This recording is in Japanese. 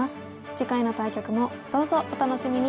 次回の対局もどうぞお楽しみに！